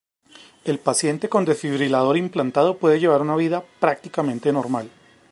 El paciente con desfibrilador implantado puede llevar una vida prácticamente normal.